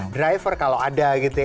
driver kalau ada gitu ya